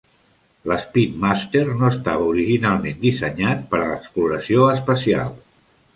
L'Speedmaster no estava originalment dissenyat per a l'exploració espacial.